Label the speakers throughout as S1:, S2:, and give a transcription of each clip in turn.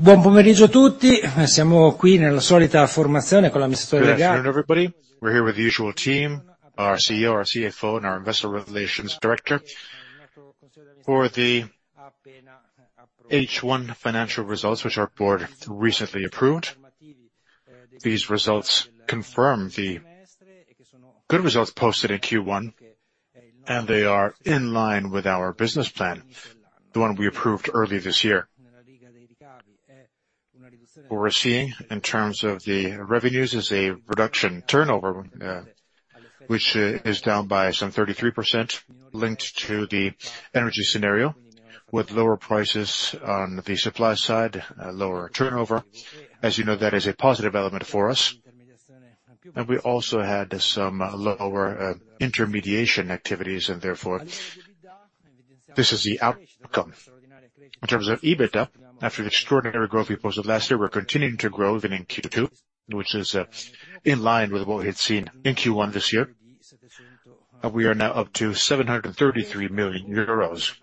S1: Buon pomeriggio tutti. Siamo qui nella solita formazione con l'amministratore delegato. Good afternoon, everybody. We're here with the usual team, our CEO, our CFO, and our Investor Relations director. For the H1 financial results, which our board recently approved, these results confirm the good results posted in Q1, and they are in line with our business plan, the one we approved early this year. What we're seeing, in terms of the revenues, is a reduction turnover, which is down by some 33%, linked to the energy scenario, with lower prices on the supply side, a lower turnover. As you know, that is a positive element for us, and we also had some lower intermediation activities, and therefore, this is the outcome. In terms of EBITDA, after the extraordinary growth we posted last year, we're continuing to grow, even in Q2, which is in line with what we had seen in Q1 this year. We are now up to 733 million euros.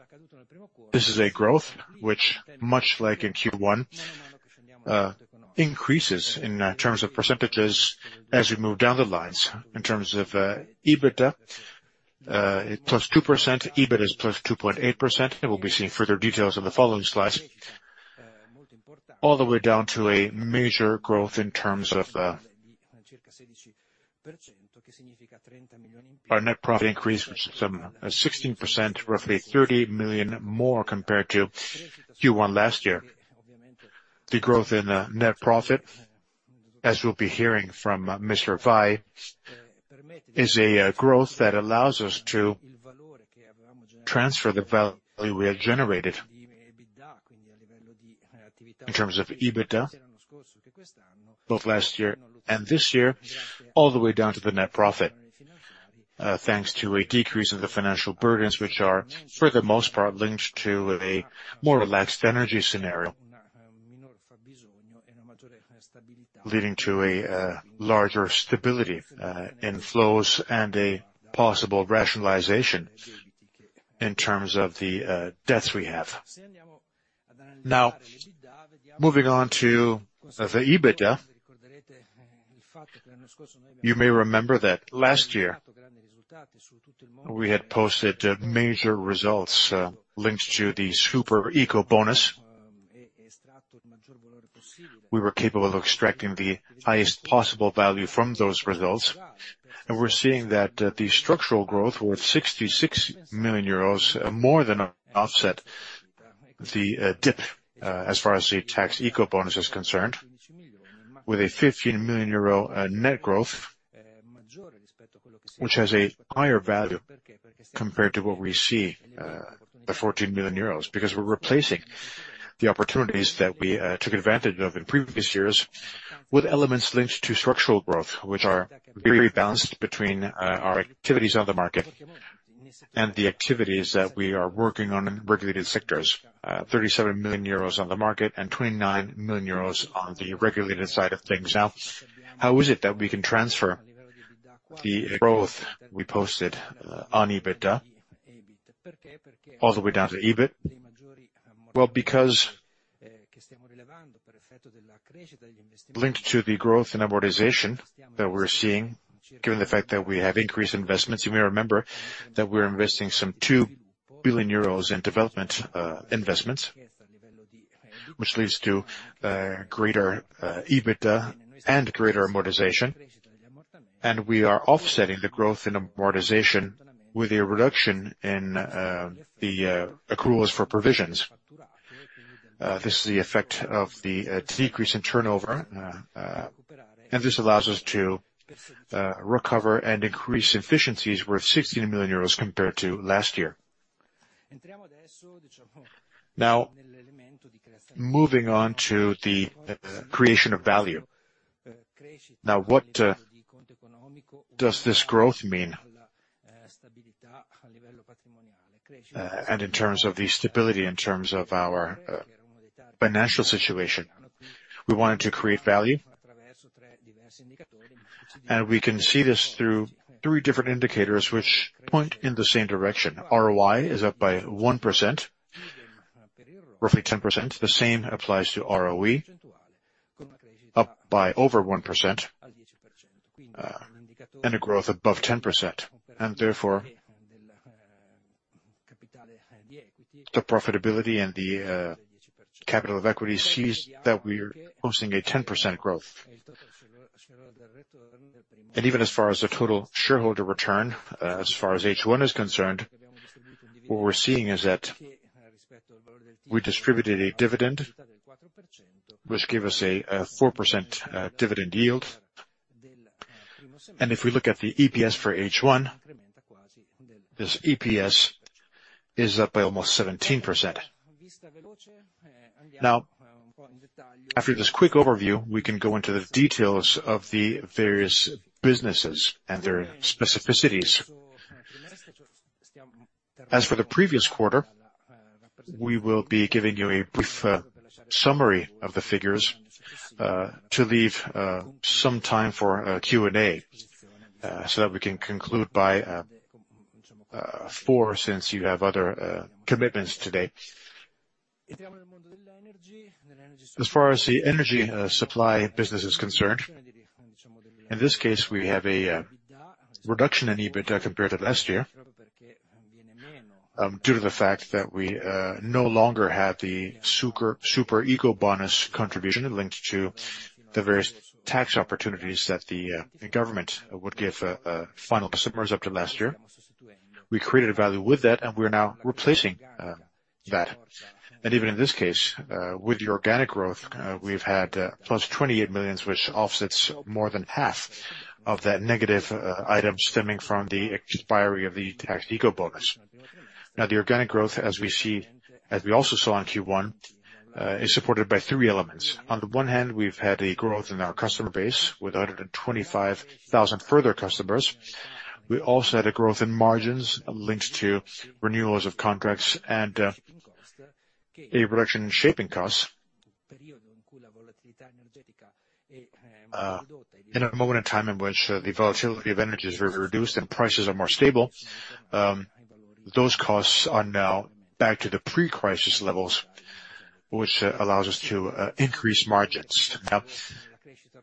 S1: This is a growth which, much like in Q1, increases in terms of percentages as we move down the lines. In terms of EBITDA, it +2%, EBIT is +2.8%, and we'll be seeing further details on the following slides. All the way down to a major growth in terms of our net profit increase, which is some 16%, roughly 30 million more compared to Q1 last year. The growth in net profit, as we'll be hearing from Mr. Vai, is a growth that allows us to transfer the value we have generated. In terms of EBITDA, both last year and this year, all the way down to the net profit, thanks to a decrease in the financial burdens, which are, for the most part, linked to a more relaxed energy scenario, leading to a larger stability in flows, and a possible rationalization in terms of the debts we have. Now, moving on to the EBITDA, you may remember that last year, we had posted major results linked to the super eco bonus. We were capable of extracting the highest possible value from those results, and we're seeing that, the structural growth worth 66 million euros, more than offset the dip as far as the super eco bonus is concerned, with a 15 million euro net growth, which has a higher value compared to what we see, the 14 million euros. Because we're replacing the opportunities that we took advantage of in previous years with elements linked to structural growth, which are very balanced between our activities on the market and the activities that we are working on in regulated sectors. 37 million euros on the market, and 29 million euros on the regulated side of things. Now, how is it that we can transfer the growth we posted on EBITDA, all the way down to EBIT? Well, because, linked to the growth in amortization that we're seeing, given the fact that we have increased investments, you may remember that we're investing some 2 billion euros in development investments, which leads to greater EBITDA and greater amortization. We are offsetting the growth in amortization with a reduction in the accruals for provisions. This is the effect of the decrease in turnover, and this allows us to recover and increase efficiencies worth 16 million euros compared to last year. Now, moving on to the creation of value. Now, what does this growth mean? In terms of the stability, in terms of our financial situation, we wanted to create value, and we can see this through three different indicators which point in the same direction. ROI is up by 1%, roughly 10%. The same applies to ROE, up by over 1%, and a growth above 10%. And therefore, the profitability and the, capital of equity sees that we're hosting a 10% growth. And even as far as the total shareholder return, as far as H1 is concerned, what we're seeing is that we distributed a dividend, which gave us a 4% dividend yield. And if we look at the EPS for H1, this EPS is up by almost 17%. Now, after this quick overview, we can go into the details of the various businesses and their specificities. As for the previous quarter, we will be giving you a brief summary of the figures, to leave some time for a Q&A, so that we can conclude by... For since you have other commitments today. As far as the energy supply business is concerned, in this case, we have a reduction in EBITDA compared to last year, due to the fact that we no longer have the super super eco bonus contribution linked to the various tax opportunities that the the government would give final consumers up to last year. We created a value with that, and we are now replacing that. And even in this case, with the organic growth we've had, +28 million, which offsets more than half of that negative item stemming from the expiry of the tax eco bonus. Now, the organic growth, as we see, as we also saw in Q1, is supported by three elements. On the one hand, we've had a growth in our customer base with 125,000 further customers. We also had a growth in margins linked to renewals of contracts and a reduction in shaping costs. In a moment in time in which the volatility of energy is very reduced and prices are more stable, those costs are now back to the pre-crisis levels, which allows us to increase margins. Now,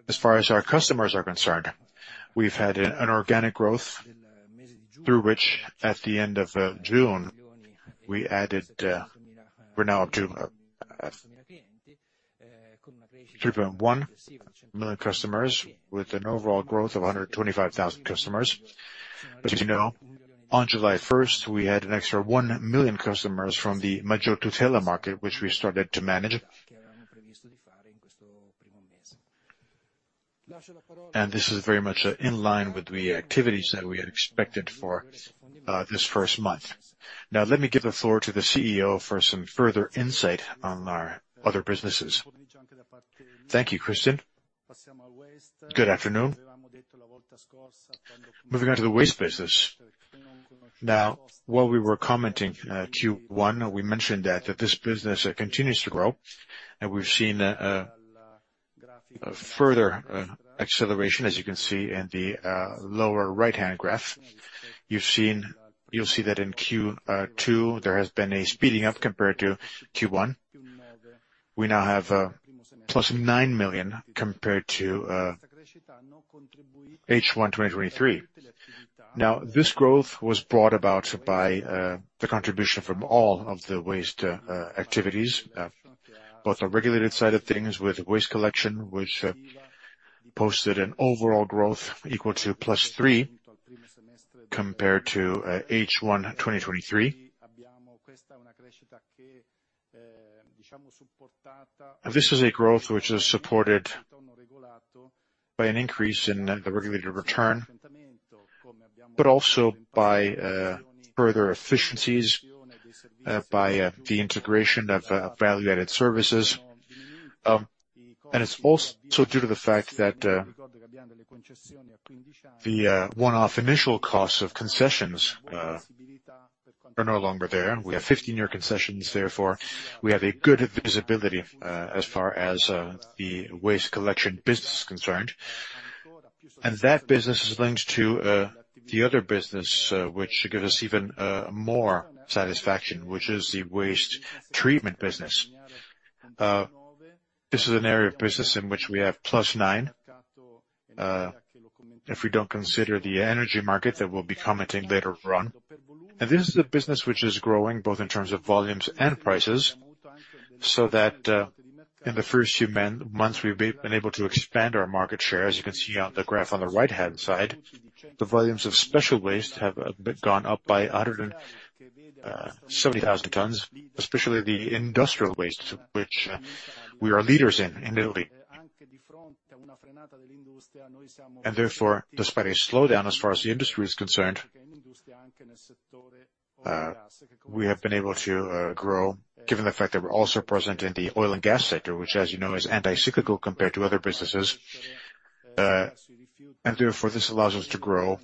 S1: as far as our customers are concerned, we've had an organic growth through which, at the end of June, we added. We're now up to 3.1 million customers with an overall growth of 125,000 customers. But as you know, on July first, we had an extra 1 million customers from the Maggior Tutela market, which we started to manage.
S2: This is very much in line with the activities that we had expected for this first month. Now let me give the floor to the CEO for some further insight on our other businesses. Thank you, Christian. Good afternoon. Moving on to the waste business. Now, while we were commenting Q1, we mentioned that this business continues to grow, and we've seen a further acceleration, as you can see in the lower right-hand graph. You've seen. You'll see that in Q2, there has been a speeding up compared to Q1. We now have +9 million compared to H1 2023. Now, this growth was brought about by the contribution from all of the waste activities, both the regulated side of things, with waste collection, which posted an overall growth equal to +3% compared to H1 2023. This is a growth which is supported by an increase in the regulated return, but also by further efficiencies, by the integration of value-added services. And it's also due to the fact that the one-off initial costs of concessions are no longer there. We have 15-year concessions, therefore, we have a good visibility as far as the waste collection business is concerned. And that business is linked to the other business, which gives us even more satisfaction, which is the waste treatment business. This is an area of business in which we have +9, if we don't consider the energy market, that we'll be commenting later on. And this is a business which is growing both in terms of volumes and prices, so that, in the first few months, we've been able to expand our market share. As you can see on the graph on the right-hand side, the volumes of special waste have a bit gone up by 170,000 tons, especially the industrial waste, which, we are leaders in, in Italy. And therefore, despite a slowdown, as far as the industry is concerned, we have been able to grow, given the fact that we're also present in the oil and gas sector, which, as you know, is anti-cyclical compared to other businesses. And therefore, this allows us to grow,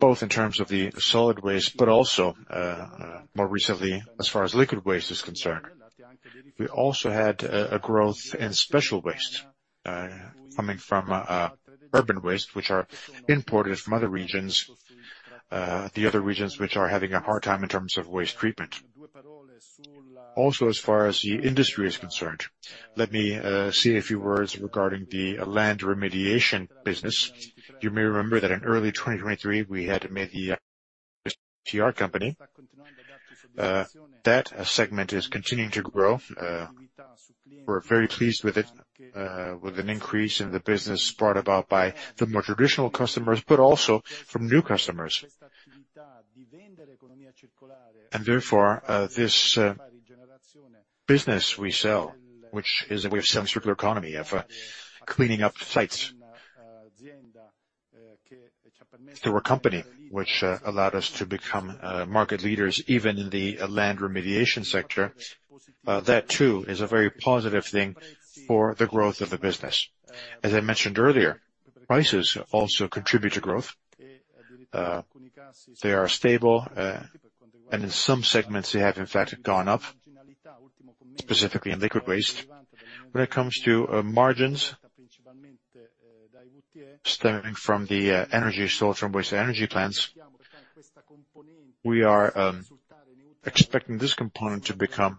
S2: both in terms of the solid waste, but also, more recently, as far as liquid waste is concerned. We also had a growth in special waste, coming from urban waste, which are imported from other regions, the other regions which are having a hard time in terms of waste treatment. Also, as far as the industry is concerned, let me say a few words regarding the land remediation business. You may remember that in early 2023, we had made the ACR company. That segment is continuing to grow. We're very pleased with it, with an increase in the business brought about by the more traditional customers, but also from new customers. Therefore, this business we sell, which is a way of selling circular economy, of cleaning up sites through a company which allowed us to become market leaders even in the land remediation sector. That too, is a very positive thing for the growth of the business. As I mentioned earlier, prices also contribute to growth. They are stable, and in some segments, they have, in fact, gone up, specifically in liquid waste. When it comes to margins stemming from the energy source and waste energy plants. We are expecting this component to become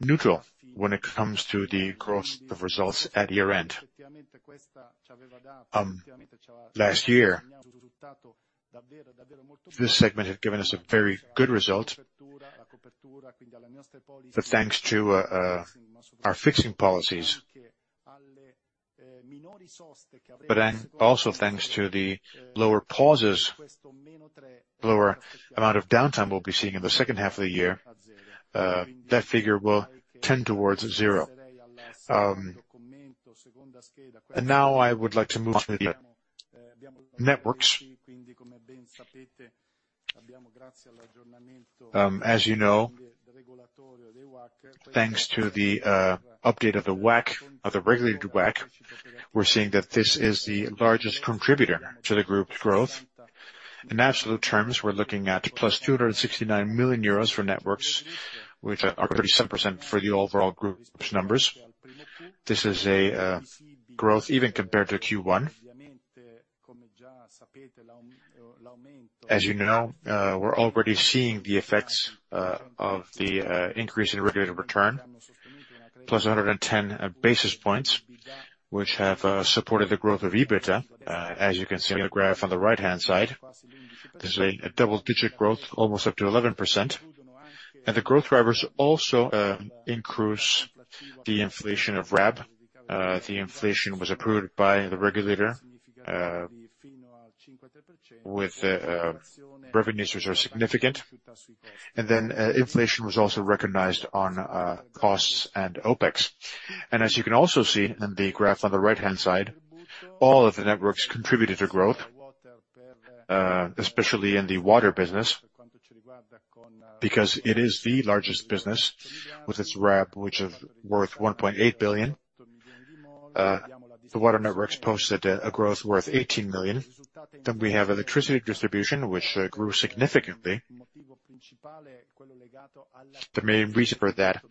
S2: neutral when it comes to the growth of results at year-end. Last year, this segment had given us a very good result, but thanks to our fixing policies, but then also thanks to the lower pauses, lower amount of downtime we'll be seeing in the second half of the year, that figure will tend towards zero. Now I would like to move on to the networks. As you know, thanks to the update of the WACC, of the regulated WACC, we're seeing that this is the largest contributor to the group's growth. In absolute terms, we're looking at +269 million euros for networks, which are 37% for the overall group's numbers. This is a growth even compared to Q1. As you know, we're already seeing the effects of the increase in regulated return, plus 110 basis points, which have supported the growth of EBITDA. As you can see on the graph on the right-hand side, this is a double-digit growth, almost up to 11%. The growth drivers also increase the inflation of RAB. The inflation was approved by the regulator with revenues which are significant. Then, inflation was also recognized on costs and OpEx. As you can also see in the graph on the right-hand side, all of the networks contributed to growth, especially in the water business, because it is the largest business, with its RAB, which is worth 1.8 billion. The water networks posted a growth worth 18 million. Then we have electricity distribution, which grew significantly. The main reason for that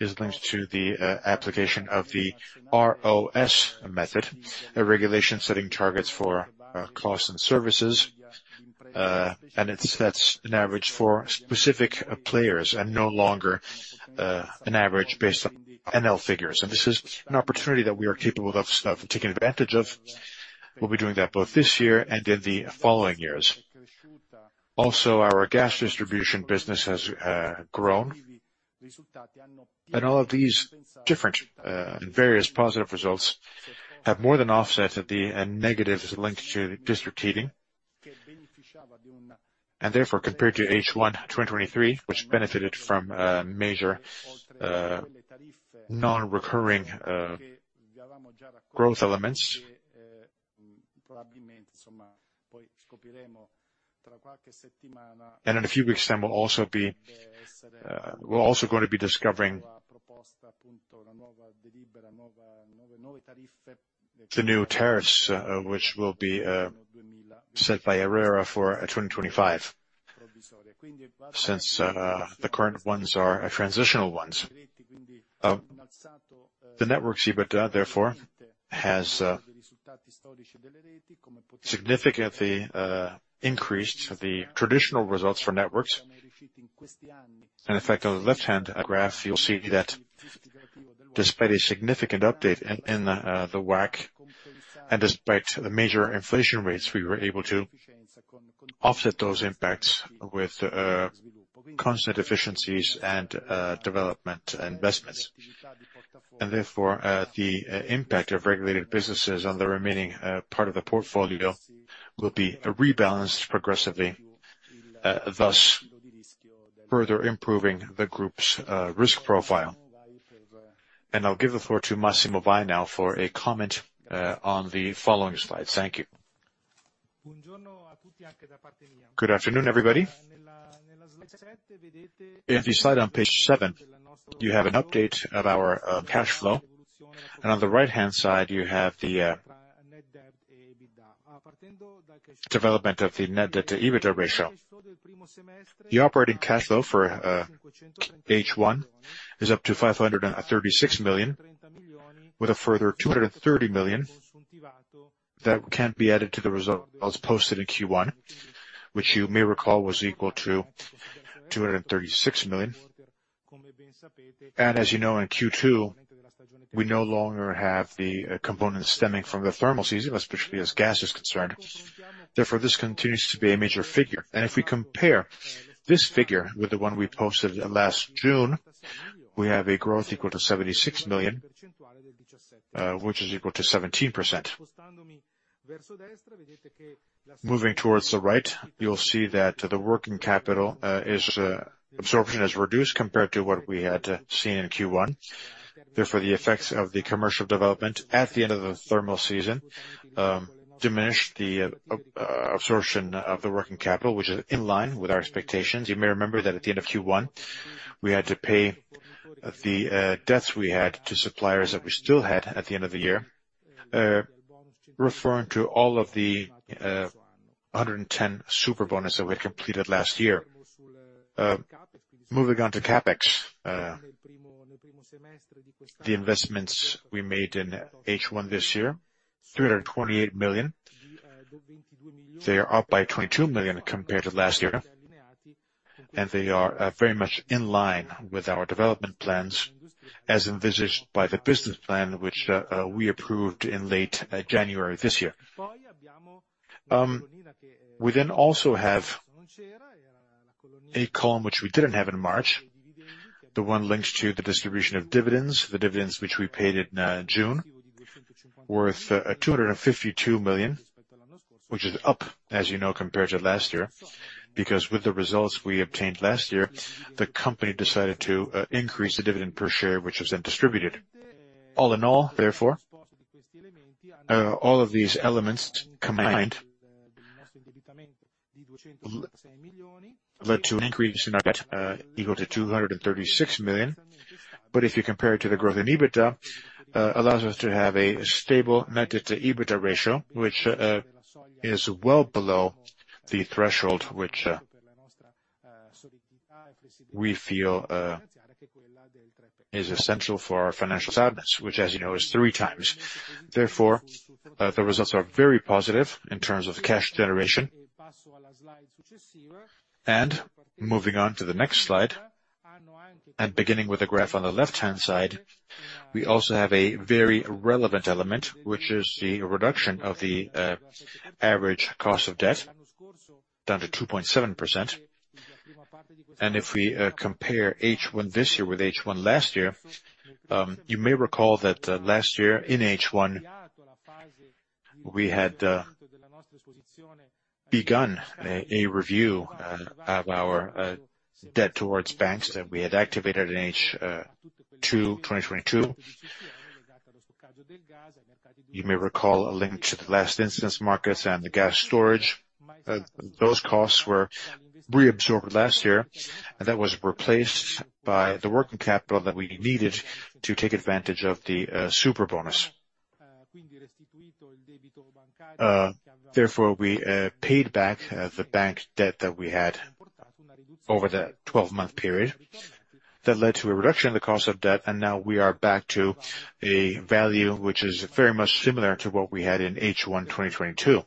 S2: is linked to the application of the ROSS method, a regulation setting targets for costs and services. And it sets an average for specific players and no longer an average based on NL figures. And this is an opportunity that we are capable of taking advantage of. We'll be doing that both this year and in the following years. Also, our gas distribution business has grown. And all of these different various positive results have more than offset the negatives linked to district heating. And therefore, compared to H1 2023, which benefited from major non-recurring growth elements... In a few weeks time, we'll also be, we're also going to be discovering the new tariffs, which will be, set by ARERA for, 2025, since, the current ones are transitional ones. The network's EBITDA, therefore, has, significantly, increased the traditional results for networks. In fact, on the left-hand graph, you'll see that despite a significant update in, in, the WACC, and despite the major inflation rates, we were able to offset those impacts with, constant efficiencies and, development investments. Therefore, the, impact of regulated businesses on the remaining, part of the portfolio will be rebalanced progressively, thus further improving the group's, risk profile. I'll give the floor to Massimo Bai now for a comment, on the following slides. Thank you. Good afternoon, everybody.
S3: If you slide on page seven, you have an update of our cash flow, and on the right-hand side, you have the development of the net debt to EBITDA ratio. The operating cash flow for H1 is up to 536 million, with a further 230 million that can be added to the results posted in Q1, which you may recall was equal to 236 million. And as you know, in Q2, we no longer have the components stemming from the thermal season, especially as gas is concerned. Therefore, this continues to be a major figure. And if we compare this figure with the one we posted last June, we have a growth equal to 76 million, which is equal to 17%. Moving towards the right, you'll see that the working capital absorption has reduced compared to what we had seen in Q1. Therefore, the effects of the commercial development at the end of the thermal season diminished the absorption of the working capital, which is in line with our expectations. You may remember that at the end of Q1, we had to pay the debts we had to suppliers that we still had at the end of the year. Referring to all of the 110 Superbonus that we had completed last year. Moving on to CapEx, the investments we made in H1 this year, 328 million. They are up by 22 million compared to last year, and they are very much in line with our development plans, as envisaged by the business plan, which we approved in late January this year. We then also have a column which we didn't have in March, the one linked to the distribution of dividends, the dividends which we paid in June, worth 252 million, which is up, as you know, compared to last year. Because with the results we obtained last year, the company decided to increase the dividend per share, which was then distributed. All in all, therefore, all of these elements combined led to an increase in our debt equal to 236 million. But if you compare it to the growth in EBITDA, allows us to have a stable net debt-to-EBITDA ratio, which, is well below the threshold, which, we feel, is essential for our financial soundness, which, as you know, is 3 times. Therefore, the results are very positive in terms of cash generation. And moving on to the next slide, and beginning with the graph on the left-hand side, we also have a very relevant element, which is the reduction of the, average cost of debt, down to 2.7%. And if we, compare H1 this year with H1 last year, you may recall that, last year, in H1, we had, begun a review, of our, debt towards banks that we had activated in H2 2022. You may recall a link to the last incidence markets and the gas storage. Those costs were reabsorbed last year, and that was replaced by the working capital that we needed to take advantage of the super bonus. Therefore, we paid back the bank debt that we had over that twelve-month period. That led to a reduction in the cost of debt, and now we are back to a value which is very much similar to what we had in H1 2022.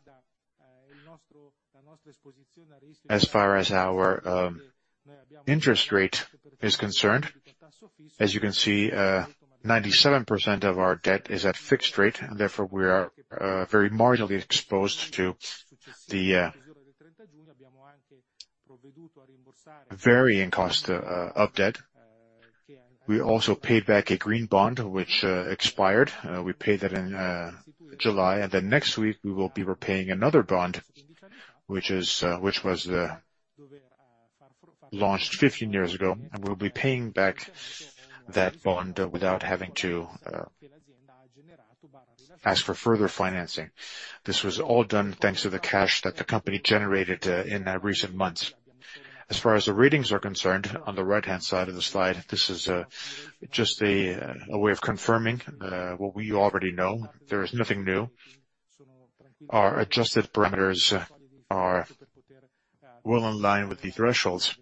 S3: As far as our interest rate is concerned, as you can see, 97% of our debt is at fixed rate, and therefore, we are very marginally exposed to the varying cost of debt. We also paid back a green bond, which expired.
S1: We paid that in July, and then next week, we will be repaying another bond, which was launched 15 years ago, and we'll be paying back that bond without having to ask for further financing. This was all done thanks to the cash that the company generated in recent months. As far as the ratings are concerned, on the right-hand side of the slide, this is just a way of confirming what we already know. There is nothing new. Our adjusted parameters are well in line with the thresholds,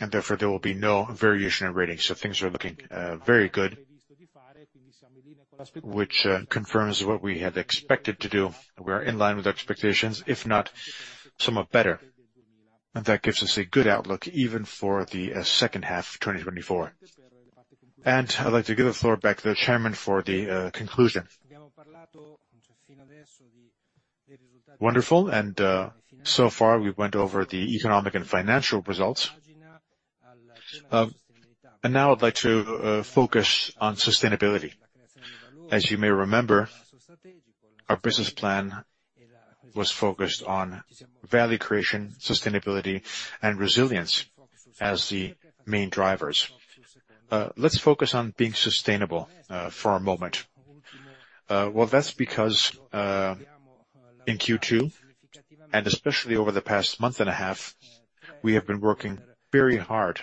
S1: and therefore, there will be no variation in ratings. So things are looking very good, which confirms what we had expected to do. We are in line with expectations, if not somewhat better, and that gives us a good outlook even for the second half of 2024. I'd like to give the floor back to the chairman for the conclusion. Wonderful, and so far, we went over the economic and financial results. Now I'd like to focus on sustainability. As you may remember, our business plan was focused on value creation, sustainability, and resilience as the main drivers. Let's focus on being sustainable for a moment. Well, that's because in Q2, and especially over the past month and a half, we have been working very hard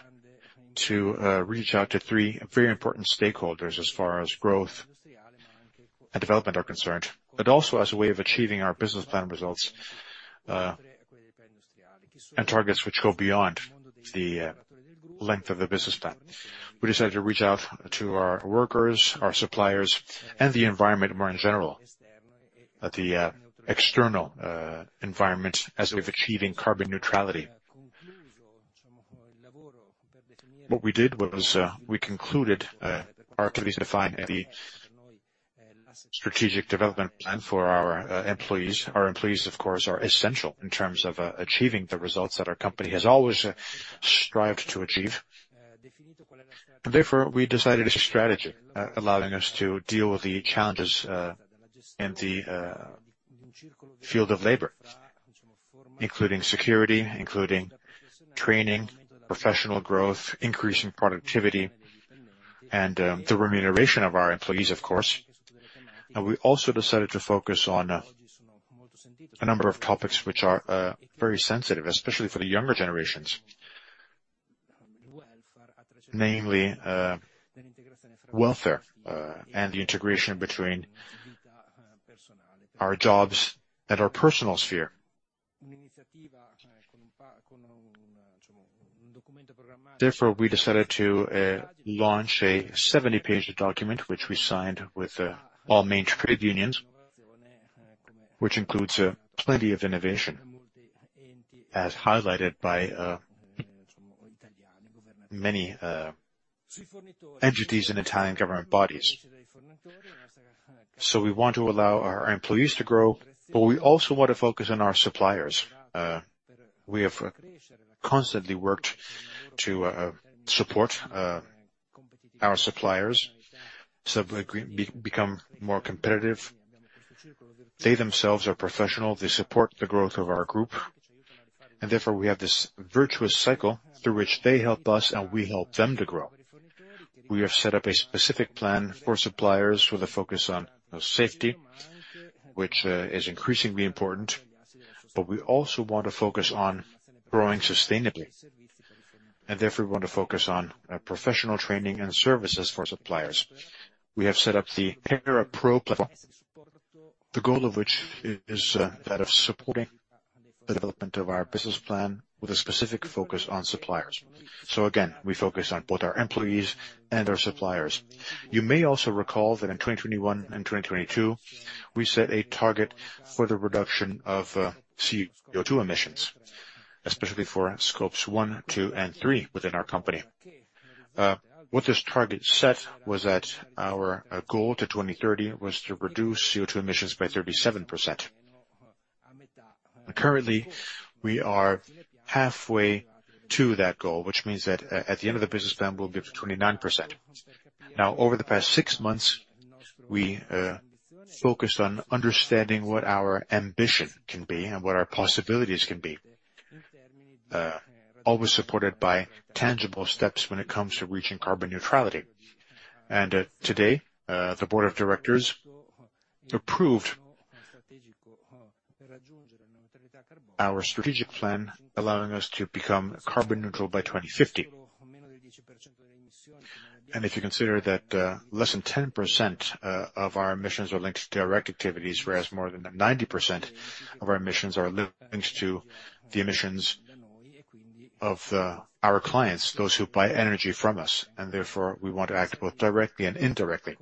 S1: to reach out to three very important stakeholders as far as growth and development are concerned, but also as a way of achieving our business plan results and targets which go beyond the length of the business plan. We decided to reach out to our workers, our suppliers, and the environment more in general, at the external environment, as a way of achieving carbon neutrality. What we did was we concluded our strategic defined and the strategic development plan for our employees. Our employees, of course, are essential in terms of achieving the results that our company has always strived to achieve. Therefore, we decided a strategy allowing us to deal with the challenges in the field of labor, including security, including training, professional growth, increasing productivity, and the remuneration of our employees, of course. We also decided to focus on a number of topics which are very sensitive, especially for the younger generations. Namely, welfare and the integration between our jobs and our personal sphere. Therefore, we decided to launch a 70-page document, which we signed with all major trade unions, which includes plenty of innovation, as highlighted by many entities and Italian government bodies. We want to allow our employees to grow, but we also want to focus on our suppliers. We have constantly worked to support our suppliers, so we become more competitive. They themselves are professional, they support the growth of our group, and therefore, we have this virtuous cycle through which they help us, and we help them to grow. We have set up a specific plan for suppliers with a focus on safety, which is increasingly important, but we also want to focus on growing sustainably, and therefore, we want to focus on professional training and services for suppliers. We have set up the HeraPro platform, the goal of which is that of supporting the development of our business plan with a specific focus on suppliers. So again, we focus on both our employees and our suppliers. You may also recall that in 2021 and 2022, we set a target for the reduction of CO2 emissions, especially for Scope 1, 2, and 3 within our company. What this target set was that our goal to 2030 was to reduce CO2 emissions by 37%. Currently, we are halfway to that goal, which means that at the end of the business plan, we'll be up to 29%. Now, over the past six months, we focused on understanding what our ambition can be and what our possibilities can be, always supported by tangible steps when it comes to reaching carbon neutrality. Today, the board of directors approved our strategic plan, allowing us to become carbon neutral by 2050. And if you consider that less than 10% of our emissions are linked to direct activities, whereas more than 90% of our emissions are linked to the emissions of our clients, those who buy energy from us, and therefore, we want to act both directly and indirectly,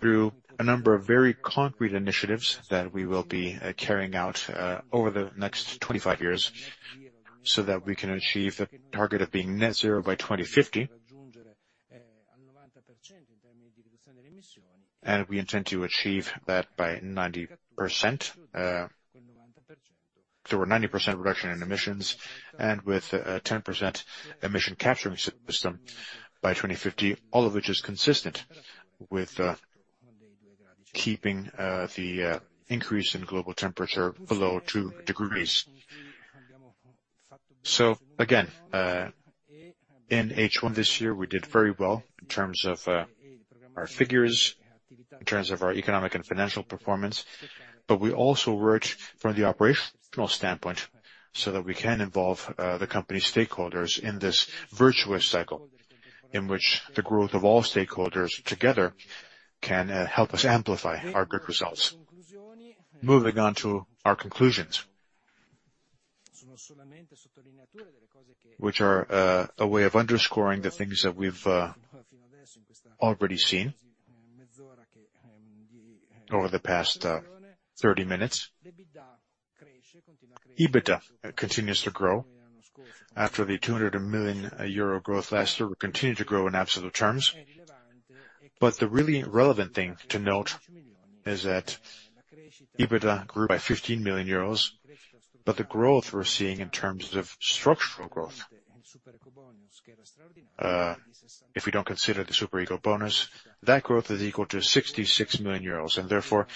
S1: through a number of very concrete initiatives that we will be carrying out over the next 25 years, so that we can achieve the target of being net zero by 2050. And we intend to achieve that by 90% through a 90% reduction in emissions, and with a 10% emission capturing system by 2050, all of which is consistent with keeping the increase in global temperature below two degrees. So again, in H1 this year, we did very well in terms of, our figures, in terms of our economic and financial performance, but we also worked from the operational standpoint, so that we can involve, the company stakeholders in this virtuous cycle, in which the growth of all stakeholders together can, help us amplify our good results. Moving on to our conclusions, which are, a way of underscoring the things that we've, already seen over the past, 30 minutes. EBITDA continues to grow. After the 200 million euro growth last year, we continue to grow in absolute terms. But the really relevant thing to note is that EBITDA grew by 15 million euros, but the growth we're seeing in terms of structural growth, if we don't consider the super eco bonus, that growth is equal to 66 million euros, and therefore,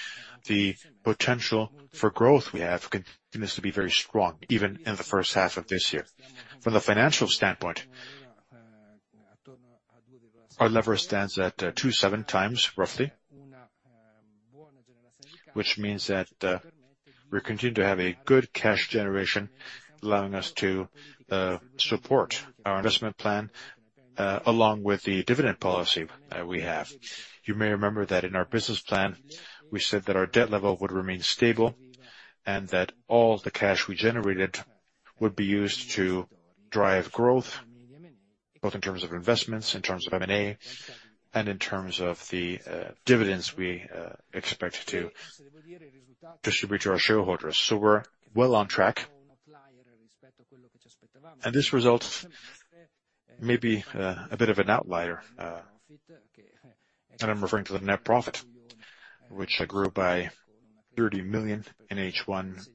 S1: the potential for growth we have continues to be very strong, even in the first half of this year. From the financial standpoint, our lever stands at 2.7 times, roughly, which means that we continue to have a good cash generation, allowing us to support our investment plan, along with the dividend policy that we have. You may remember that in our business plan, we said that our debt level would remain stable and that all the cash we generated would be used to drive growth, both in terms of investments, in terms of M&A, and in terms of the dividends we expect to distribute to our shareholders. So we're well on track, and this result may be a bit of an outlier, and I'm referring to the net profit, which grew by 30 million in H1,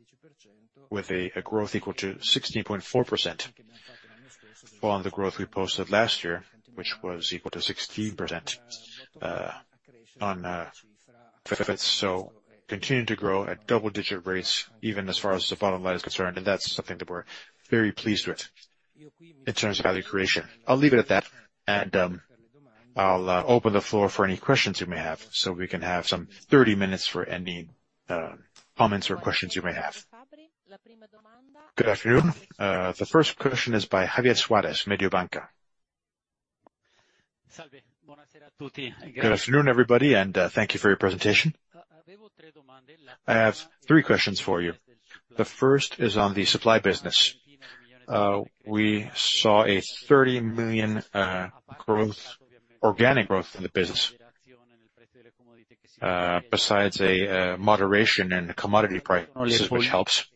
S1: with a growth equal to 16.4%, following the growth we posted last year, which was equal to 16%, on... So continuing to grow at double-digit rates, even as far as the bottom line is concerned, and that's something that we're very pleased with in terms of value creation. I'll leave it at that, and I'll open the floor for any questions you may have, so we can have some 30 minutes for any comments or questions you may have. Good afternoon. The first question is by Javier Suarez, Mediobanca.
S4: Good afternoon, everybody, and thank you for your presentation. I have three questions for you. The first is on the supply business. We saw a 30 million growth, organic growth in the business, besides a moderation in the commodity prices, which helps.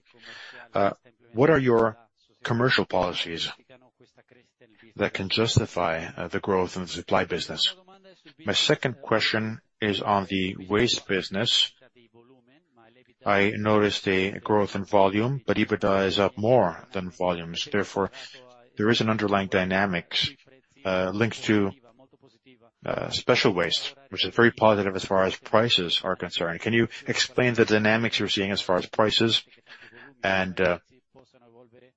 S4: What are your commercial policies that can justify the growth in the supply business? My second question is on the waste business. I noticed a growth in volume, but EBITDA is up more than volumes. Therefore, there is an underlying dynamics linked to special waste, which is very positive as far as prices are concerned. Can you explain the dynamics you're seeing as far as prices, and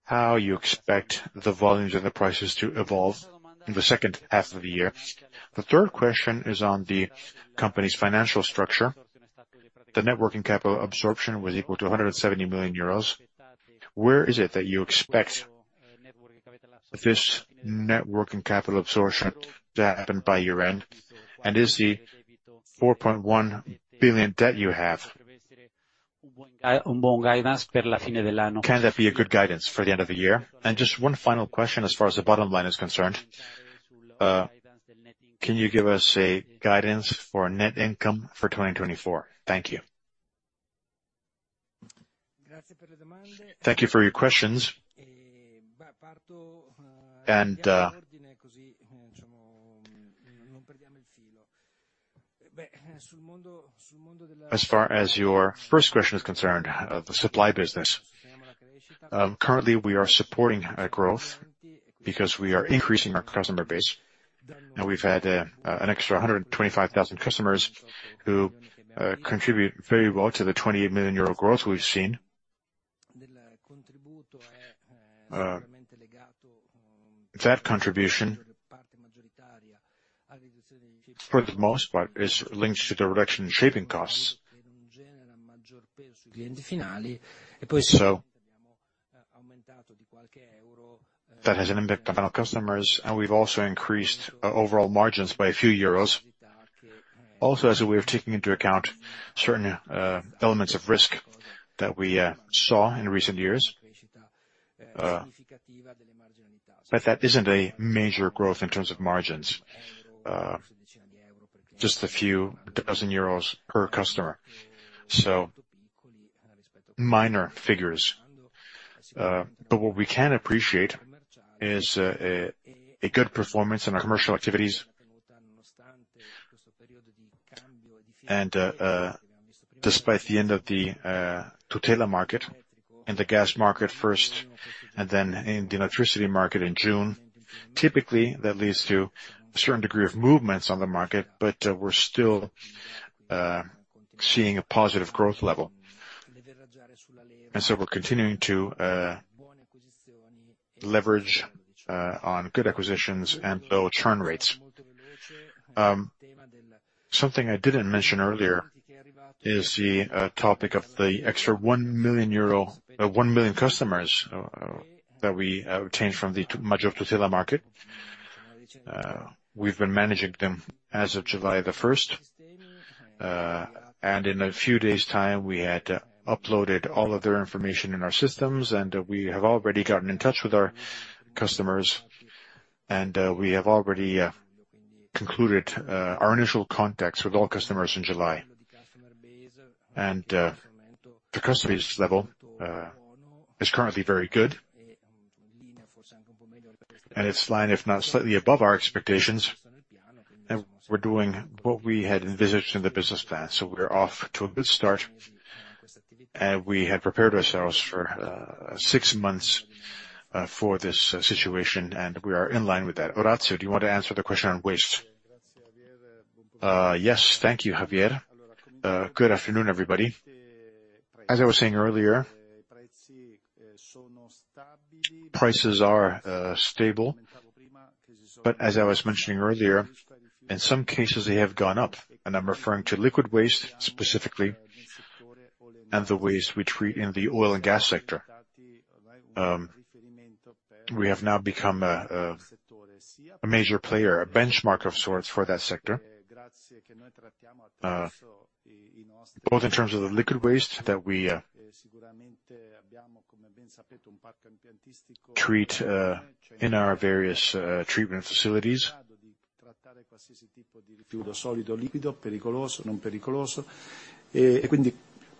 S4: how you expect the volumes and the prices to evolve in the second half of the year? The third question is on the company's financial structure. The net working capital absorption was equal to 100 million euros. Where is it that you expect this net working capital absorption to happen by year-end? And is the 4.1 billion debt you have, can that be a good guidance for the end of the year? And just one final question as far as the bottom line is concerned, can you give us a guidance for net income for 2024? Thank you. Thank you for your questions.
S1: As far as your first question is concerned, of the supply business, currently, we are supporting growth because we are increasing our customer base, and we've had an extra 125,000 customers who contribute very well to the 28 million euro growth we've seen. That contribution, for the most part, is linked to the reduction in shipping costs. So that has an impact on our customers, and we've also increased our overall margins by a few euros, also as a way of taking into account certain elements of risk that we saw in recent years. But that isn't a major growth in terms of margins, just a few dozen euros per customer, so minor figures. But what we can appreciate is a good performance in our commercial activities. Despite the end of the Maggior Tutela market and the gas market first, and then in the electricity market in June, typically, that leads to a certain degree of movements on the market, but we're still seeing a positive growth level. So we're continuing to leverage on good acquisitions and low churn rates. Something I didn't mention earlier is the topic of the extra 1 million customers that we obtained from the Maggior Tutela market. We've been managing them as of July the first, and in a few days' time, we had uploaded all of their information in our systems, and we have already gotten in touch with our customers, and we have already concluded our initial contacts with all customers in July. The customers' level is currently very good, and it's in line, if not slightly above our expectations, and we're doing what we had envisaged in the business plan. We're off to a good start, and we had prepared ourselves for six months for this situation, and we are in line with that. Orazio, do you want to answer the question on waste? Yes. Thank you, Javier. Good afternoon, everybody. As I was saying earlier, prices are stable, but as I was mentioning earlier, in some cases, they have gone up, and I'm referring to liquid waste, specifically, and the waste we treat in the oil and gas sector.
S2: We have now become a major player, a benchmark of sorts for that sector, both in terms of the liquid waste that we treat in our various treatment facilities.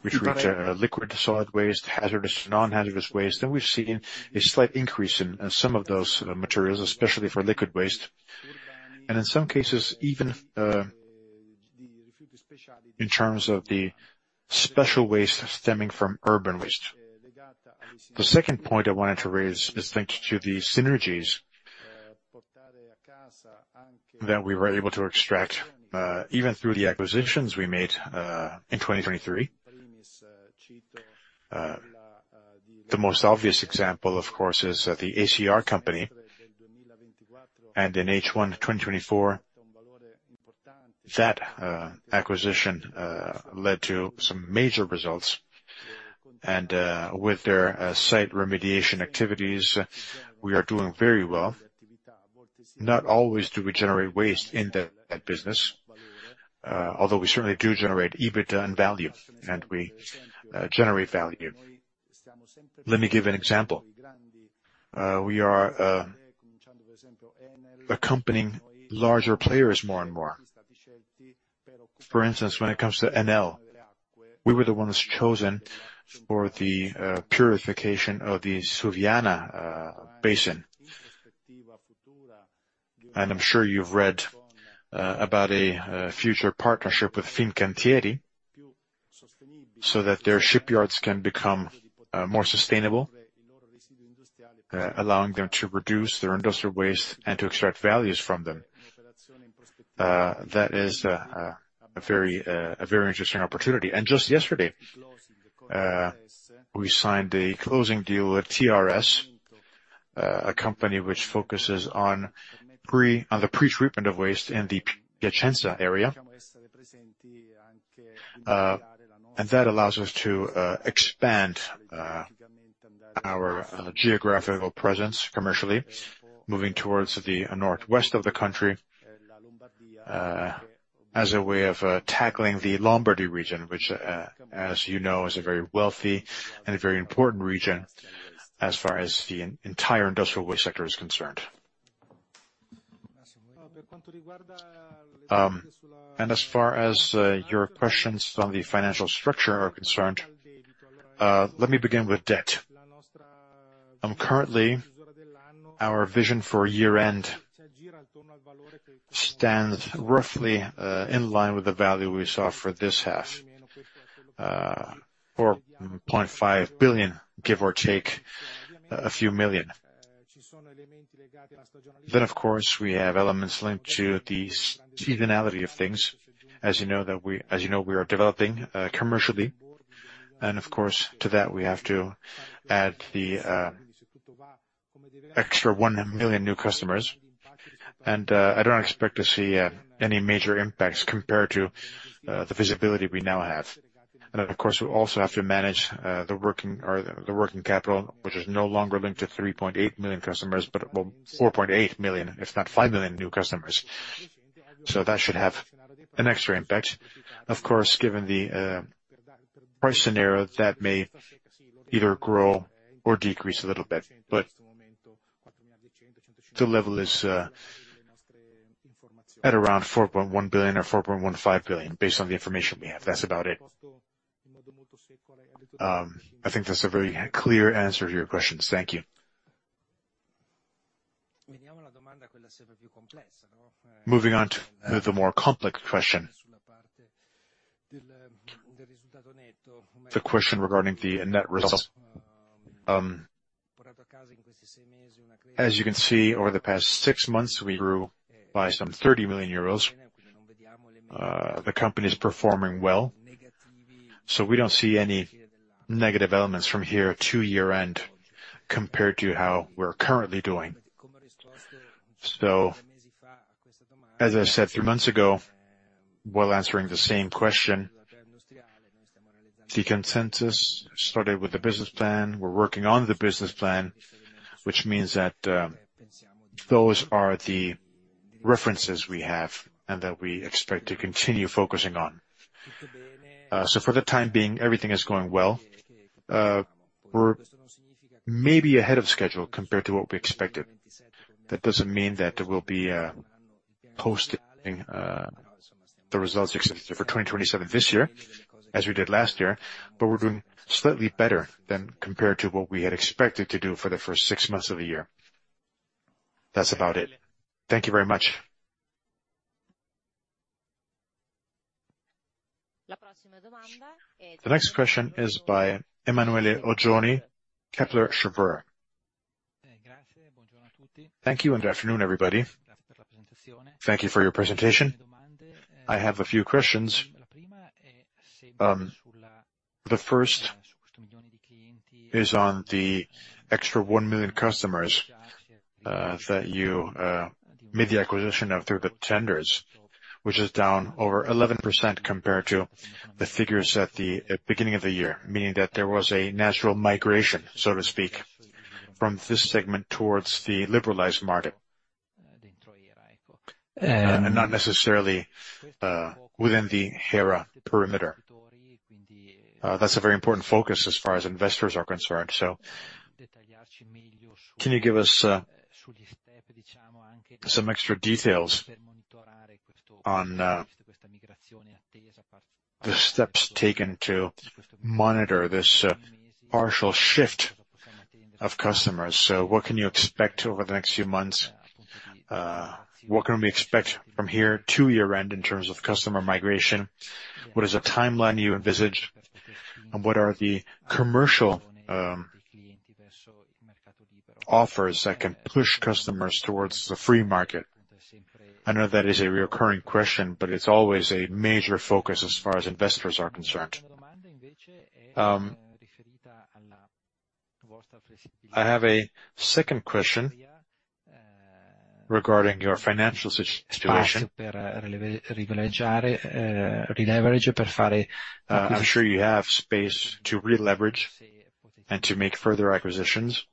S2: We treat liquid to solid waste, hazardous to non-hazardous waste, and we've seen a slight increase in some of those materials, especially for liquid waste, and in some cases, even in terms of the special waste stemming from urban waste. The second point I wanted to raise is thanks to the synergies that we were able to extract, even through the acquisitions we made in 2023. The most obvious example, of course, is the ACR company, and in H1 2024, that acquisition led to some major results. And with their site remediation activities, we are doing very well. Not always do we generate waste in that, that business, although we certainly do generate EBITDA and value, and we generate value. Let me give an example. We are accompanying larger players more and more. For instance, when it comes to Enel, we were the ones chosen for the purification of the Suviana basin. And I'm sure you've read about a future partnership with Fincantieri, so that their shipyards can become more sustainable, allowing them to reduce their industrial waste and to extract values from them. That is a very interesting opportunity. And just yesterday, we signed a closing deal with TRS, a company which focuses on the pretreatment of waste in the Piacenza area. That allows us to expand our geographical presence commercially, moving towards the northwest of the country, as a way of tackling the Lombardy region, which, as you know, is a very wealthy and a very important region as far as the entire industrial waste sector is concerned. As far as your questions on the financial structure are concerned, let me begin with debt. Currently, our vision for year-end stands roughly in line with the value we saw for this half, 4.5 billion, give or take a few million. Then, of course, we have elements linked to the seasonality of things. As you know, we are developing commercially, and of course, to that, we have to add the extra 1 million new customers.
S1: I don't expect to see any major impacts compared to the visibility we now have. And then, of course, we also have to manage the working capital, which is no longer linked to 3.8 million customers, but, well, 4.8 million, if not 5 million new customers. So that should have an extra impact. Of course, given the price scenario, that may either grow or decrease a little bit, but the level is at around 4.1 billion or 4.15 billion, based on the information we have. That's about it. I think that's a very clear answer to your questions. Thank you. Moving on to the more complex question. The question regarding the net results. As you can see, over the past six months, we grew by some 30 million euros. The company is performing well, so we don't see any negative elements from here to year-end compared to how we're currently doing. So, as I said three months ago, while answering the same question, the consensus started with the business plan. We're working on the business plan, which means that, those are the references we have and that we expect to continue focusing on. So for the time being, everything is going well. We're maybe ahead of schedule compared to what we expected. That doesn't mean that there will be, posting the results expected for 2027 this year, as we did last year, but we're doing slightly better than compared to what we had expected to do for the first six months of the year. That's about it. Thank you very much. The next question is by Emanuele Oggioni, Kepler Cheuvreux. Thank you, and good afternoon, everybody. Thank you for your presentation. I have a few questions. The first is on the extra 1 million customers that you made the acquisition of through the tenders, which is down over 11% compared to the figures at the beginning of the year, meaning that there was a natural migration, so to speak, from this segment towards the liberalized market, and not necessarily within the Hera perimeter. That's a very important focus as far as investors are concerned, so can you give us some extra details on the steps taken to monitor this partial shift of customers? So what can you expect over the next few months? What can we expect from here to year-end in terms of customer migration? What is the timeline you envisaged, and what are the commercial offers that can push customers towards the free market? I know that is a recurring question, but it's always a major focus as far as investors are concerned. I have a second question regarding your financial situation. I'm sure you have space to re-leverage and to make further acquisitions.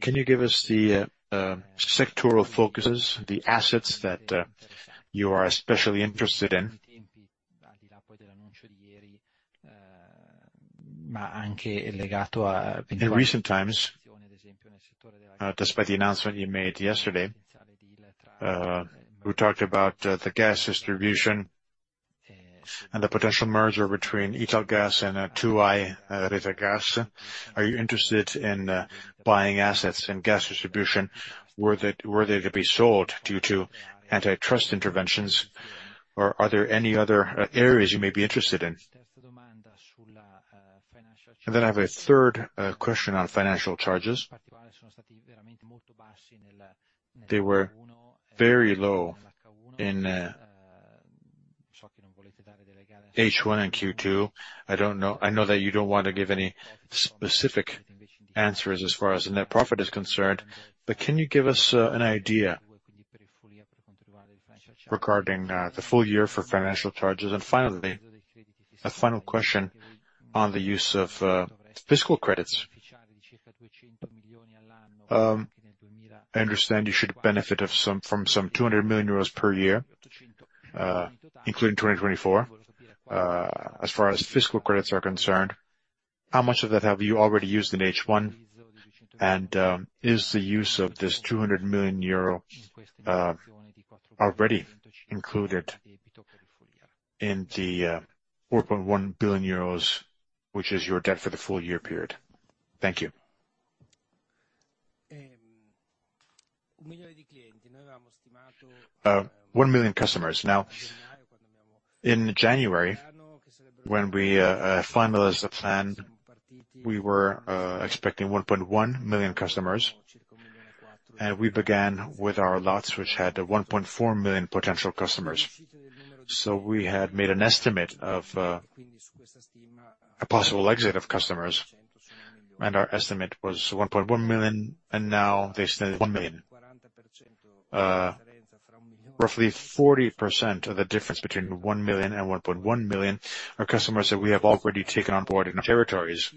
S1: Can you give us the sectoral focuses, the assets that you are especially interested in? In recent times, despite the announcement you made yesterday, we talked about the gas distribution and the potential merger between Italgas and 2i Rete Gas. Are you interested in buying assets in gas distribution? Were they to be sold due to antitrust interventions, or are there any other areas you may be interested in? And then I have a third question on financial charges. They were very low in H1 and Q2. I don't know... I know that you don't want to give any specific answers as far as the net profit is concerned, but can you give us an idea regarding the full year for financial charges? And finally, a final question on the use of fiscal credits. I understand you should benefit from some 200 million euros per year, including 2024. As far as fiscal credits are concerned, how much of that have you already used in H1? Is the use of this 200 million euro already included in the 4.1 billion euros, which is your debt for the full year period? Thank you. One million customers. Now, in January, when we finalized the plan, we were expecting 1.1 million customers, and we began with our lots, which had 1.4 million potential customers. So we had made an estimate of a possible exit of customers, and our estimate was 1.1 million, and now they stand at 1 million. Roughly 40% of the difference between 1 million and 1.1 million are customers that we have already taken on board in our territories.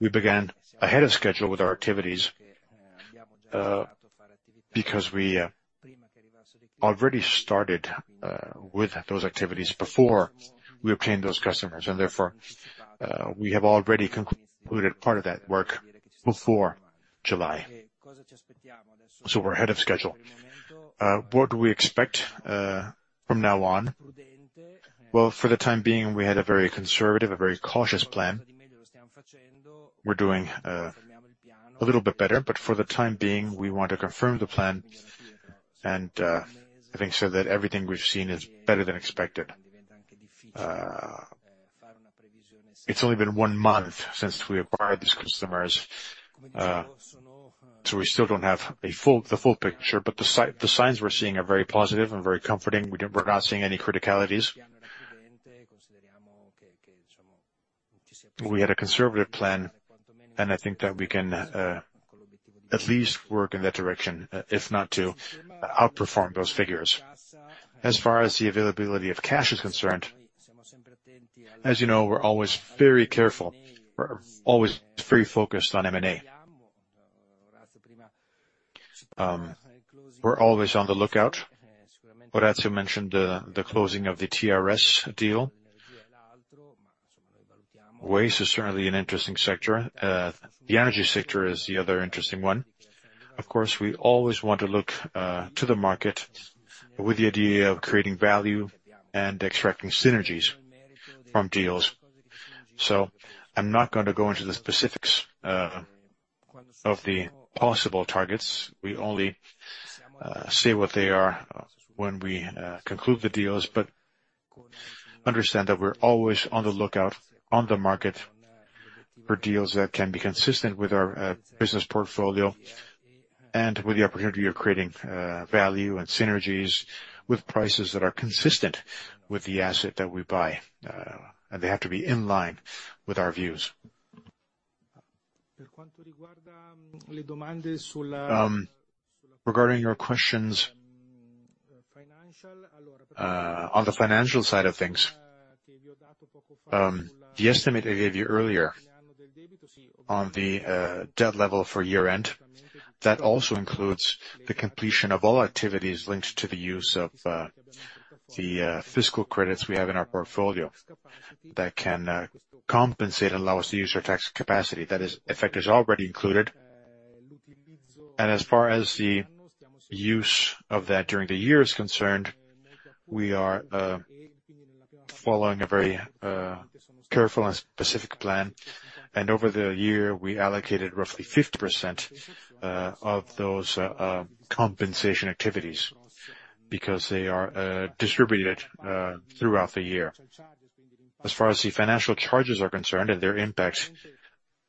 S1: We began ahead of schedule with our activities because we already started with those activities before we obtained those customers, and therefore we have already concluded part of that work before July. So we're ahead of schedule. What do we expect from now on? Well, for the time being, we had a very conservative, a very cautious plan. We're doing a little bit better, but for the time being, we want to confirm the plan, and I think so that everything we've seen is better than expected. It's only been one month since we acquired these customers, so we still don't have the full picture, but the signs we're seeing are very positive and very comforting. We're not seeing any criticalities. We had a conservative plan, and I think that we can at least work in that direction, if not to outperform those figures. As far as the availability of cash is concerned, as you know, we're always very careful. We're always very focused on M&A. We're always on the lookout. Orazio mentioned the closing of the TRS deal. Waste is certainly an interesting sector. The energy sector is the other interesting one. Of course, we always want to look to the market with the idea of creating value and extracting synergies from deals. So I'm not going to go into the specifics of the possible targets. We only say what they are when we conclude the deals, but understand that we're always on the lookout on the market for deals that can be consistent with our business portfolio, and with the opportunity of creating value and synergies, with prices that are consistent with the asset that we buy, and they have to be in line with our views. Regarding your questions on the financial side of things, the estimate I gave you earlier on the debt level for year-end, that also includes the completion of all activities linked to the use of the fiscal credits we have in our portfolio that can compensate and allow us to use our tax capacity. That is, effect is already included. As far as the use of that during the year is concerned, we are following a very careful and specific plan. And over the year, we allocated roughly 50% of those compensation activities, because they are distributed throughout the year. As far as the financial charges are concerned and their impact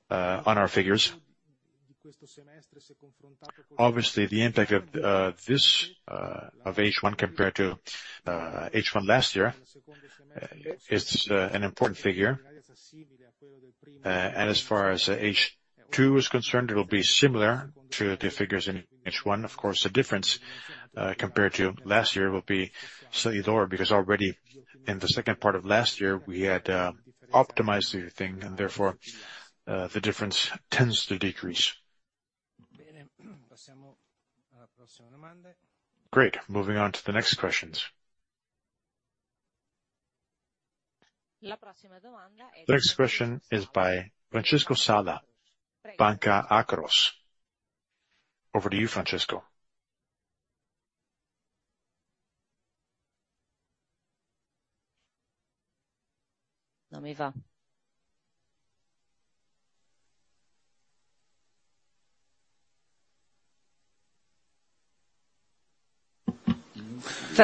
S1: on our figures, obviously, the impact of this of H1 compared to H1 last year is an important figure. And as far as H2 is concerned, it'll be similar to the figures in H1. Of course, the difference compared to last year will be slightly lower, because already in the second part of last year, we had optimized the thing, and therefore the difference tends to decrease. Great, moving on to the next questions. The next question is by Francesco Sada, Banca Akros. Over to you, Francesco.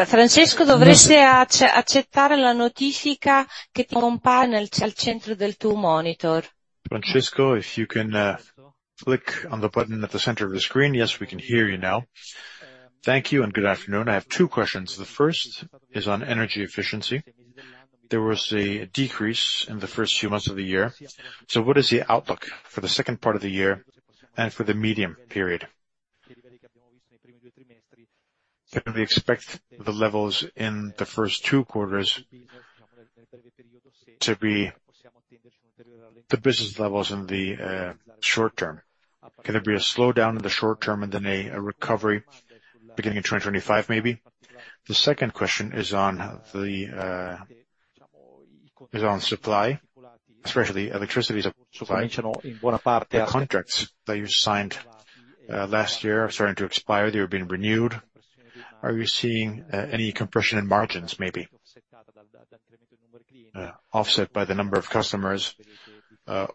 S1: Francesco, if you can, click on the button at the center of the screen. Yes, we can hear you now. Thank you, and good afternoon. I have two questions. The first is on energy efficiency. There was a decrease in the first few months of the year, so what is the outlook for the second part of the year and for the medium period? Can we expect the levels in the first two quarters to be the business levels in the short term? Can there be a slowdown in the short term and then a recovery beginning in 2025, maybe? The second question is on supply, especially electricity supply. The contracts that you signed last year are starting to expire. They are being renewed. Are you seeing any compression in margins, maybe, offset by the number of customers,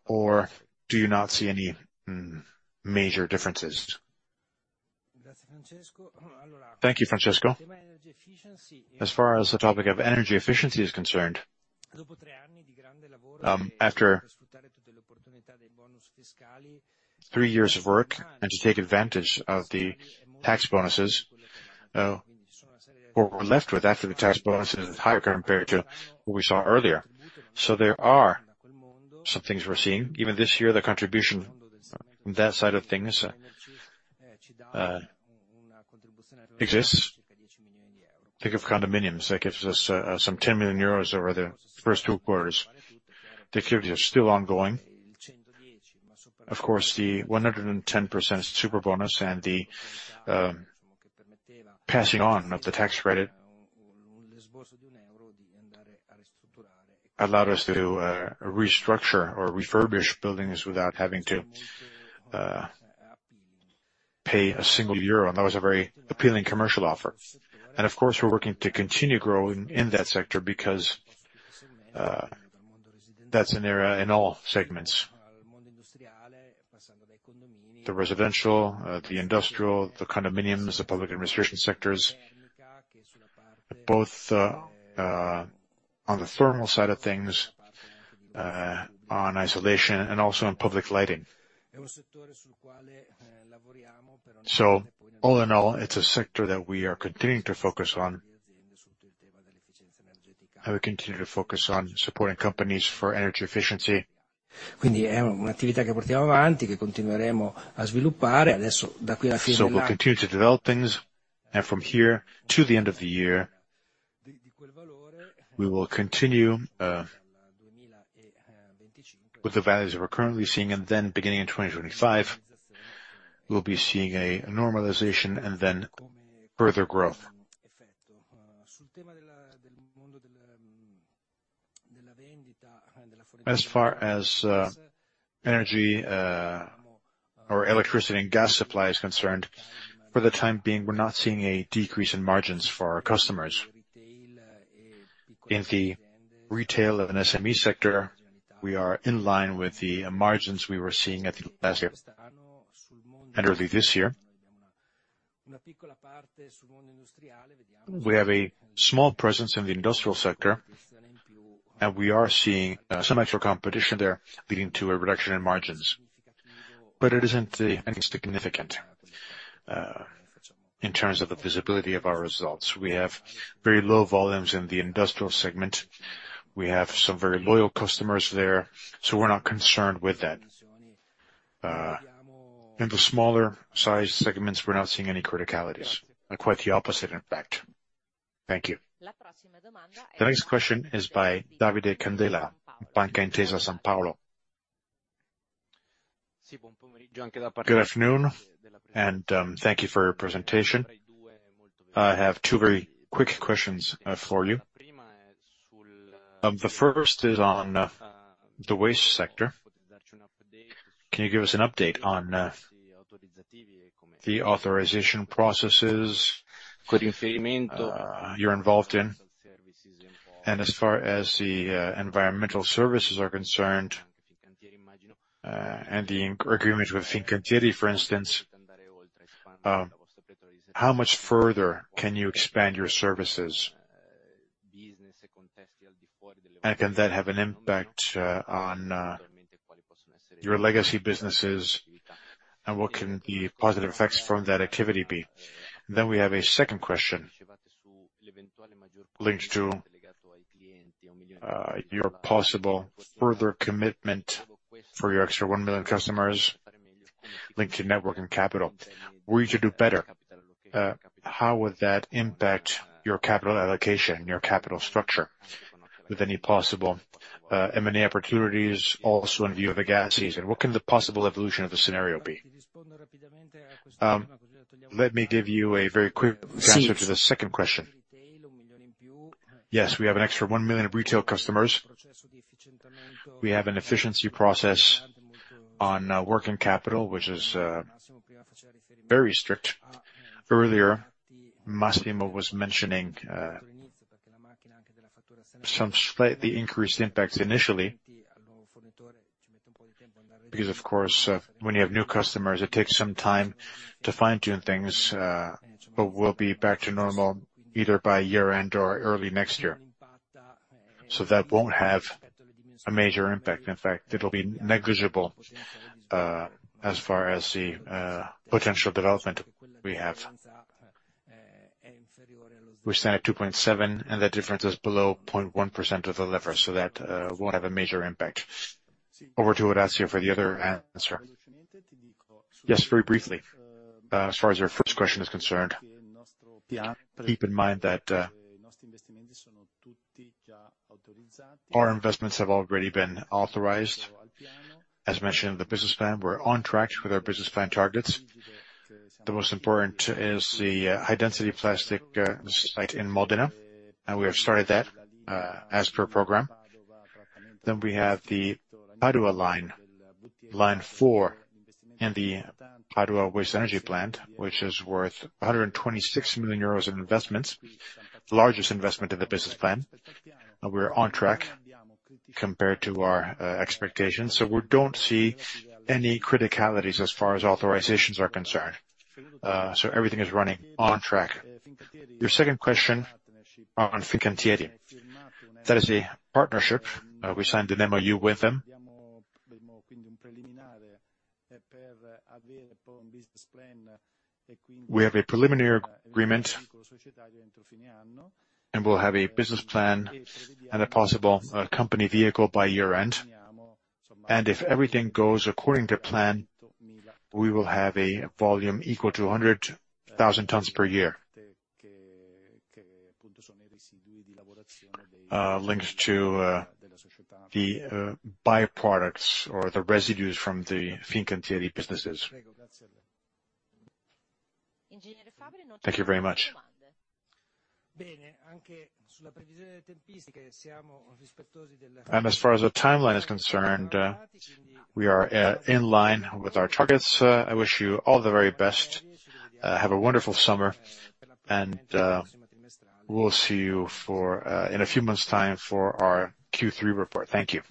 S1: or do you not see any major differences? Thank you, Francesco. As far as the topic of energy efficiency is concerned, after three years of work and to take advantage of the tax bonuses, what we're left with after the tax bonus is higher compared to what we saw earlier. So there are some things we're seeing. Even this year, the contribution on that side of things exists. Think of condominiums. That gives us 10 million euros over the first two quarters. The activities are still ongoing. Of course, the 110% super bonus and the passing on of the tax credit allowed us to restructure or refurbish buildings without having to pay EUR 1, and that was a very appealing commercial offer. And, of course, we're working to continue growing in that sector because that's an area in all segments, the residential, the industrial, the condominiums, the public administration sectors, both on the thermal side of things, on isolation, and also on public lighting. So all in all, it's a sector that we are continuing to focus on, and we continue to focus on supporting companies for energy efficiency. So we'll continue to develop things, and from here to the end of the year, we will continue with the values that we're currently seeing, and then beginning in 2025, we'll be seeing a normalization and then further growth. As far as energy or electricity and gas supply is concerned, for the time being, we're not seeing a decrease in margins for our customers. In the retail and SME sector, we are in line with the margins we were seeing at the last year, and early this year. We have a small presence in the industrial sector, and we are seeing some extra competition there, leading to a reduction in margins, but it isn't anything significant in terms of the visibility of our results. We have very low volumes in the industrial segment. We have some very loyal customers there, so we're not concerned with that. In the smaller size segments, we're not seeing any criticalities, and quite the opposite, in fact. Thank you. The next question is by Davide Candela, Intesa Sanpaolo. Good afternoon, and thank you for your presentation. I have two very quick questions for you. The first is on the waste sector. Can you give us an update on the authorization processes you're involved in? And as far as the environmental services are concerned, and the agreement with Fincantieri, for instance, how much further can you expand your services? And can that have an impact on your legacy businesses, and what can the positive effects from that activity be? Then we have a second question. linked to, your possible further commitment for your extra 1 million customers linked to network and capital. Were you to do better, how would that impact your capital allocation, your capital structure, with any possible, M&A opportunities also in view of the gas season? What can the possible evolution of the scenario be? Let me give you a very quick answer- Sì. -to the second question. Yes, we have an extra 1 million retail customers. We have an efficiency process on, working capital, which is, very strict. Earlier, Massimo was mentioning, some slightly increased impacts initially. Because, of course, when you have new customers, it takes some time to fine-tune things, but we'll be back to normal either by year-end or early next year. So that won't have a major impact.
S2: In fact, it'll be negligible, as far as the potential development we have. We're staying at 2.7, and that difference is below 0.1% of the lever, so that won't have a major impact. Over to Orazio for the other answer. Yes, very briefly. As far as your first question is concerned, keep in mind that our investments have already been authorized. As mentioned in the business plan, we're on track with our business plan targets. The most important is the high-density plastic site in Modena, and we have started that as per program. Then we have the Padua line, line four, in the Padua waste-to-energy plant, which is worth 126 million euros in investments, the largest investment in the business plan.
S1: We're on track compared to our expectations, so we don't see any criticalities as far as authorizations are concerned. So everything is running on track. Your second question on Fincantieri, that is a partnership. We signed an MOU with them. We have a preliminary agreement, and we'll have a business plan and a possible company vehicle by year-end. And if everything goes according to plan, we will have a volume equal to 100,000 tons per year, linked to the byproducts or the residues from the Fincantieri businesses. Thank you very much. And as far as the timeline is concerned, we are in line with our targets. I wish you all the very best. Have a wonderful summer, and we will see you in a few months' time for our Q3 report. Thank you.